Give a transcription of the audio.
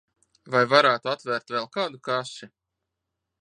Vai varētu atvērt vēl kādu kasi?